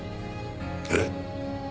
えっ？